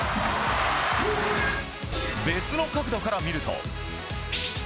別の角度から見ると。